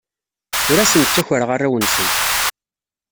Ur asen-ttakreɣ arraw-nsen.